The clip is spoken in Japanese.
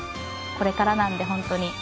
これからなので本当に。